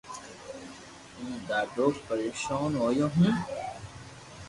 ھين ڌاڌو پرآݾون ھويو ھون